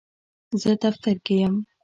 زه دفتر کې یم.